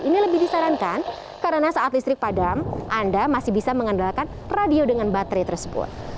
ini lebih disarankan karena saat listrik padam anda masih bisa mengandalkan radio dengan baterai tersebut